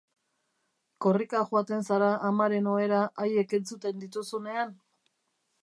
Korrika joaten zara amaren ohera haiek entzuten dituzunean?